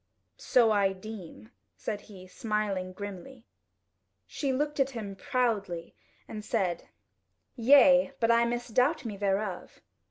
"So I deem," said he, smiling grimly. She looked at him proudly and said: "Yea, but I misdoubt me thereof."